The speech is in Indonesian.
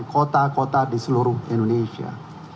kota kota di seluruh indonesia